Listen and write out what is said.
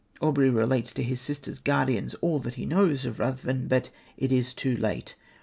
Aubrey relates to his sister's guardians all that he knows of Ruthven, but it is too late.